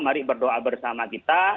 mari berdoa bersama kita